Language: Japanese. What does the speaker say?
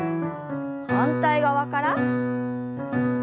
反対側から。